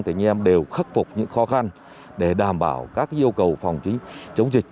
tỉnh em đều khắc phục những khó khăn để đảm bảo các yêu cầu phòng chống dịch